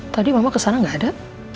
tadi mama kesana nggak ada